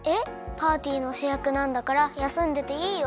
パーティーのしゅやくなんだからやすんでていいよ？